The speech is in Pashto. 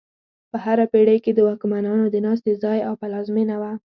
په هره پېړۍ کې د واکمنانو د ناستې ځای او پلازمینه وه.